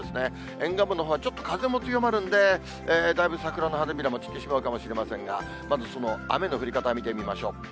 沿岸部のほうはちょっと風も強まるんで、だいぶ桜の花びらも散ってしまうかもしれませんが、まずその雨の降り方見てみましょう。